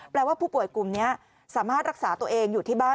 ว่าผู้ป่วยกลุ่มนี้สามารถรักษาตัวเองอยู่ที่บ้าน